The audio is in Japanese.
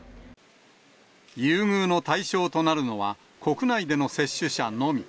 優遇の対象となるのは、国内での接種者のみ。